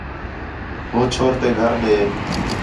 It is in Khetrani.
ہو چھور تے گھر ݙے